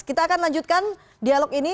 kita akan lanjutkan dialog ini